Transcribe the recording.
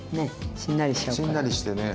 しんなりしてね。